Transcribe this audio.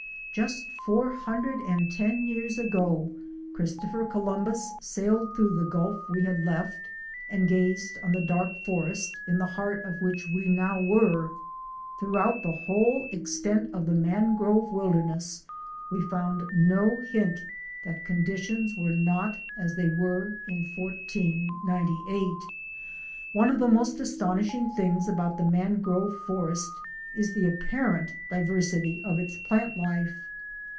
Just four hundred and ten years ago Christopher Columbus sailed through the gulf we had left and gazed on the dark forest in the heart of which we now were. Throughout the whole extent of the mangrove wilderness we found no hint that conditions were not as they were in 1498. One of the most astonishing things about the mangrove forest is the apparent diversity of its plant life.